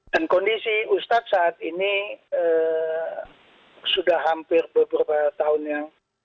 dan kondisi ustadz saat ini sudah hampir beberapa tahun yang